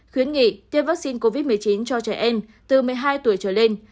khuyến nghị tiêm vaccine covid một mươi chín cho trẻ em từ một mươi hai tuổi trở lên